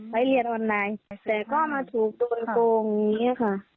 ไปเรียนออนไลน์แต่ก็มาถูกโดนโกงอย่างนี้ค่ะ